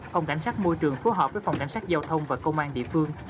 phòng đảnh sát môi trường phù hợp với phòng đảnh sát giao thông và công an địa phương